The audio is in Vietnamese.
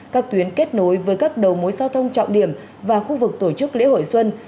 các tuyến kết nối với các đầu mối giao thông trọng điểm và khu vực tổ chức lễ hội xuân